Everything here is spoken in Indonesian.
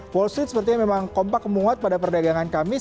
wall street sepertinya memang kompak menguat pada perdagangan kamis